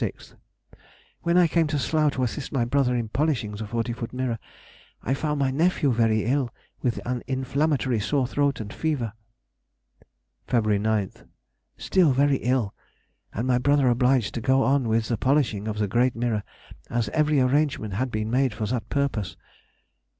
6th._—When I came to Slough to assist my brother in polishing the forty foot mirror, I found my nephew very ill with an inflammatory sore throat and fever. Feb. 9th.—Still very ill; and my brother obliged to go on with the polishing of the great mirror, as every arrangement had been made for that purpose.